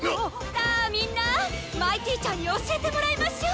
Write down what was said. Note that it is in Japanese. さあみんなマイティーチャーに教えてもらいましょ！